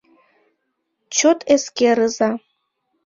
Чот эскерыза.